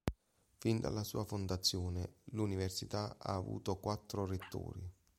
Fin dalla sua fondazione, l'università ha avuto quattro rettori.